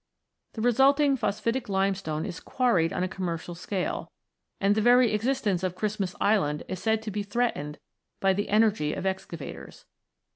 The resulting phosphatic limestone is quarried on a commercial scale, and the very existence of Christmas Island is said to be threatened by the energy of excavators.